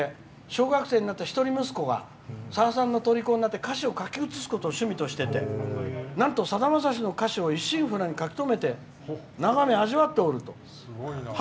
小学生になった一人息子がさださんのとりこになって歌詞を書き映すことにしていてなんと「さだまさしの歌詞を一生懸命書きためて眺め、味わっておると。